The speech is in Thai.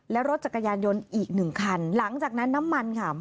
และรถจักรยานยนต์อีกหนึ่งคันหลังจากนั้นน้ำมันค่ะ